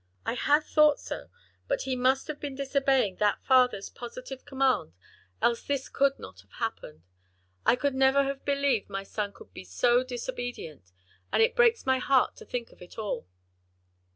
"I had thought so, but he must have been disobeying that father's positive command else this could not have happened. I could never have believed my son could be so disobedient, and it breaks my heart to think of it all."